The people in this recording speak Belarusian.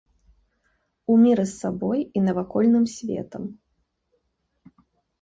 У міры з сабой і навакольным светам.